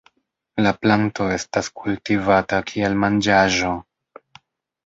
La planto estas kultivata kiel manĝaĵo.